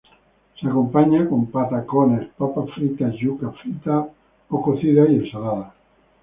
Se acompaña con patacones, papas fritas, yuca frita o cocida y ensalada.